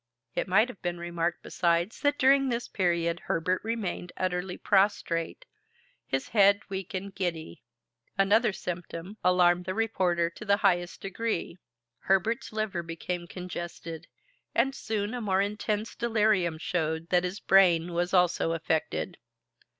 It might have been remarked besides that during this period Herbert remained utterly prostrate, his head weak and giddy. Another symptom alarmed the reporter to the highest degree. Herbert's liver became congested, and soon a more intense delirium showed that his brain was also affected.